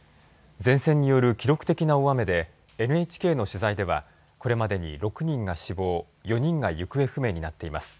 前線による記録的な大雨でＮＨＫの取材ではこれまでに６人が死亡４人が行方不明になっています。